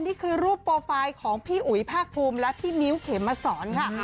นี่คือรูปโปรไฟล์ของพี่อุ๋ยภาคภูมิและพี่มิ้วเขมมาสอนค่ะ